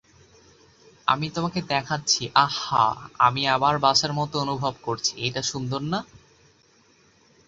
আমি তোমাকে দেখাচ্ছি আহ হা আমি আবার বাসার মতো অনুভব করছি এইটা সুন্দর না?